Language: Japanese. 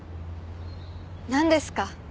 なんですか？